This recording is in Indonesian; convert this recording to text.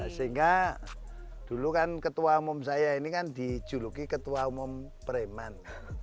sehingga dulu kan ketua umum saya ini kan dijuluki ketua umum preman